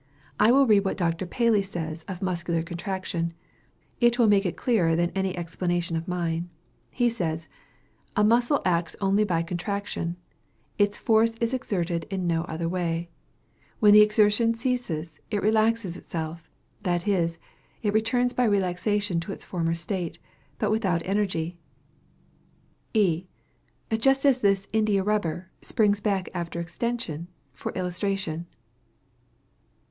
I will read what Dr. Paley says of muscular contraction; it will make it clearer than any explanation of mine. He says, "A muscle acts only by contraction. Its force is exerted in no other way. When the exertion ceases, it relaxes itself, that is, it returns by relaxation to its former state, but without energy." E. Just as this India rubber springs back after extension, for illustration.